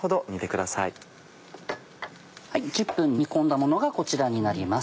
１０分煮込んだものがこちらになります。